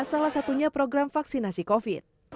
salah satunya program vaksinasi covid